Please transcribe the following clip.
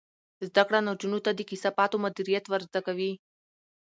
زده کړه نجونو ته د کثافاتو مدیریت ور زده کوي.